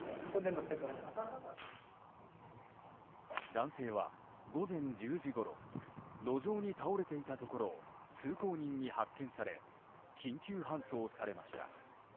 男性は、午前１０時ごろ路上に倒れていたところを通行人に発見され救急搬送されました。